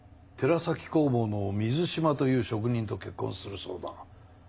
寺崎工房の水島という職人と結婚するそうだ。